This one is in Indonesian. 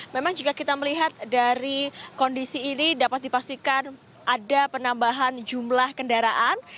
memang jika kita melihat dari kondisi ini dapat dipastikan ada penambahan jumlah kendaraan